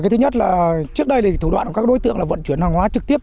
thứ nhất là trước đây thì thủ đoạn của các đối tượng là vận chuyển hàng hóa trực tiếp